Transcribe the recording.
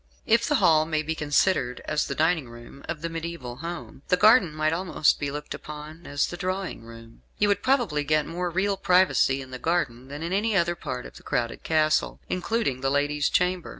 If the hall may be considered as the dining room of the mediaeval home, the garden might almost be looked upon as the drawing room. You would probably get more real privacy in the garden than in any other part of the crowded castle, including the lady's chamber.